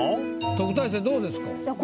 特待生どうですか？